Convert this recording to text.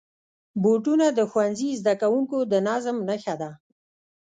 بوټونه د ښوونځي زدهکوونکو د نظم نښه ده.